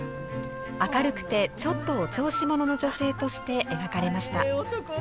明るくてちょっとお調子者の女性として描かれました。